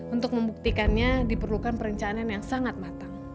untuk membuktikannya diperlukan perencanaan yang sangat matang